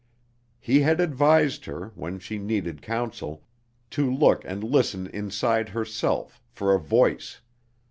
He had advised her, when she needed counsel, to look and listen inside herself, for a voice.